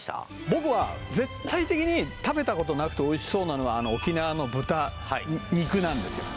僕は絶対的に食べたことなくておいしそうなのはあの沖縄の豚肉なんですよ